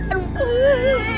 tidak bukan juga